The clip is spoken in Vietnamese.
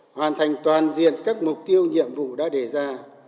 hoàn thành toàn diện các mục tiêu nhiệm vụ đã đề ra